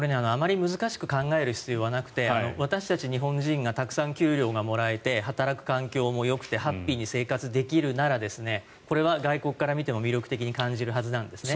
難しく考える必要がなくて私たち日本人がたくさん給料がもらえて働く環境もよくてハッピーに生活できるならこれは外国から見ても魅力的に感じるはずです。